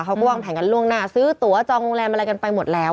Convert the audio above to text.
เขาก็วางแผนกันล่วงหน้าซื้อตัวจองโรงแรมอะไรกันไปหมดแล้ว